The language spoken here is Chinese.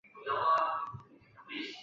邢岫烟来大观园时也住于此。